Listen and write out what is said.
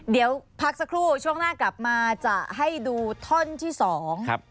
เดี๋ยวพักสักครู่ช่วงหน้ากลับมาจะให้ดูท่อนที่สองครับ